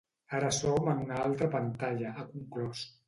Ara som en una altra pantalla, ha conclòs.